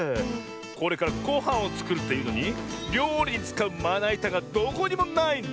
これからごはんをつくるっていうのにりょうりにつかうまないたがどこにもないんだ。